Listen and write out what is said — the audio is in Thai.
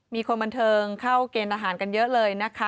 มีคนบันเทิงเข้าเกณฑ์อาหารกันเยอะเลยนะคะ